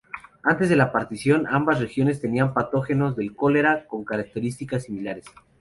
Antes de la partición, ambas regiones tenían patógenos del cólera con características similares.